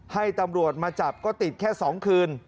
ให้ตำรวจมาจับก็ติดแค่๒คืน